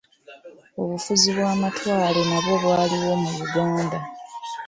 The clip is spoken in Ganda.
Obufuzi bw'amatwale nabwo bwaliwo mu Uganda.